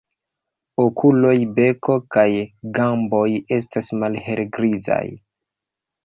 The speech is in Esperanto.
Okuloj, beko kaj gamboj estas malhelgrizaj.